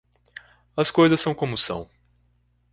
As coisas são como são.